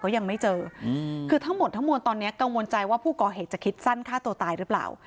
ยังไม่เจอคือทั้งหมดทั้งมวลตอนนี้กังวลใจว่าผู้ก่อเหตุจะคิดสั้นฆ่าตัวตายหรือเปล่า